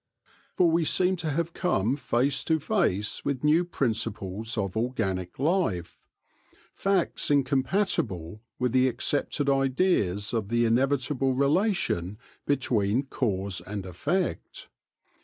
For we seem to have come face to face with new principles of organic life, facts incompatible with the accepted ideas of the inevit able relation between cause and effect.